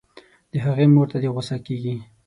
د هغې مور دې ته غو سه کيږي